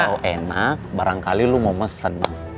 kalo enak barangkali lu mau mesen bang